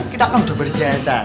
kita kan udah berjasa